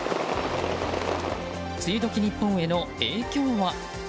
梅雨時、日本への影響は？